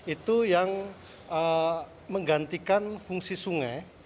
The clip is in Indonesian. itu yang menggantikan fungsi sungai